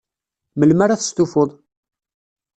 Melmi ara testufuḍ?